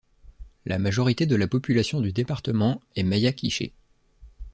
La majorité de la population du département est Maya Quiché.